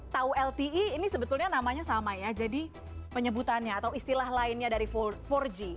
tahu lte ini sebetulnya namanya sama ya jadi penyebutannya atau istilah lainnya dari empat g